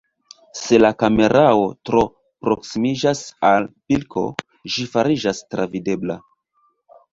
Se la kamerao tro proksimiĝas al pilko, ĝi fariĝas travidebla.